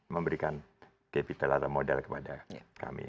memberikan capital atau modal kepada kami